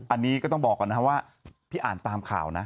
อันนี้ก็ต้องบอกก่อนนะครับว่าพี่อ่านตามข่าวนะ